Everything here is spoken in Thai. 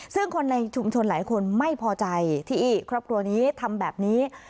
ซึ่งคนในชุมชนหลายคนไม่พอใจที่ครอบครัวนี้ทำแบบนี้